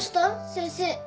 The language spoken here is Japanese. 先生。